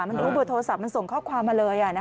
มันรู้เบอร์โทรศัพท์มันส่งข้อความมาเลย